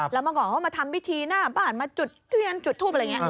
แล้วเมื่อก่อนเขามาทำพิธีหน้าบ้านมาจุดเทียนจุดทูปอะไรอย่างนี้